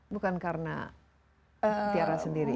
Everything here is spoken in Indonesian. bukan karena tiaran sendiri